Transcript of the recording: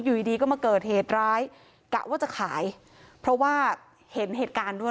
อยู่ดีดีก็มาเกิดเหตุร้ายกะว่าจะขายเพราะว่าเห็นเหตุการณ์ด้วย